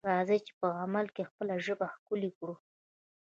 راځئ چې په عمل کې خپله ژبه ښکلې کړو.